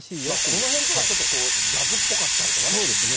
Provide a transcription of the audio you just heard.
このへんはちょっとジャズっぽかったりとかね。